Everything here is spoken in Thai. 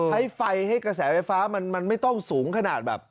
ใช้ไฟให้กระแสไฟฟ้ามันไม่ต้องสูงขนาดแบบ